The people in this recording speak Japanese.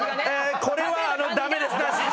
これはダメです。